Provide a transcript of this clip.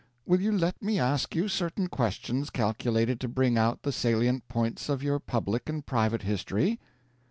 Will you let me ask you certain questions calculated to bring out the salient points of your public and private history?"